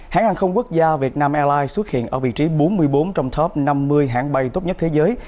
hãng hàng không quốc gia việt nam airlines xuất hiện ở vị trí bốn mươi bốn trong top năm mươi hãng bay tốt nhất thế giới